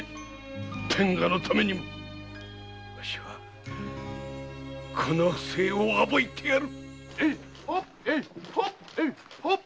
天下のためにもわしはこの不正を暴いてやる！